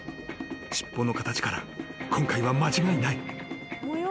［尻尾の形から今回は間違いない］